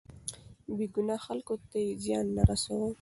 بې ګناه خلکو ته يې زيان نه رساوه.